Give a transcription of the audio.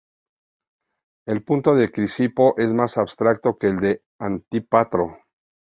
El punto de Crisipo es más abstracto que el de Antípatro.